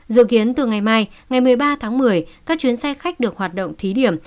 dự kiến từ ngày mai ngày một mươi ba tháng một mươi các chuyến xe khách được hoạt động thí điểm